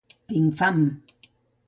Tinc fam.